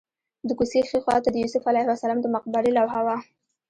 د کوڅې ښي خوا ته د یوسف علیه السلام د مقبرې لوحه وه.